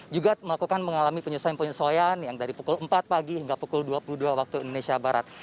juga melakukan mengalami penyesuaian penyesuaian yang dari pukul empat pagi hingga pukul dua puluh dua waktu indonesia barat